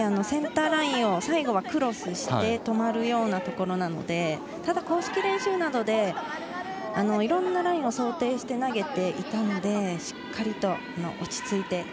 センターラインを最後クロスして止まるところなのでただ公式練習などでいろんなラインを想定して投げていたのでしっかりと落ち着いて。